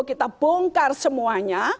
kita bongkar semuanya